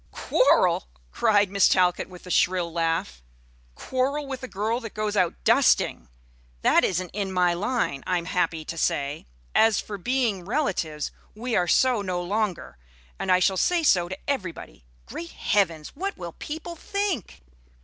"Quarrel!" cried Miss Talcott with a shrill laugh, "quarrel with a girl that goes out dusting! That isn't in my line, I am happy to say. As for being relatives, we are so no longer, and I shall say so to everybody. Great Heavens! what will people think?"